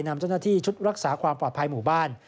นำเจ้าหน้าที่ชุดรักษาความปลอดภัยหมู่บ้าน